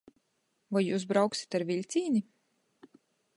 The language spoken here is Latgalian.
Voi jius brauksit ar viļcīni?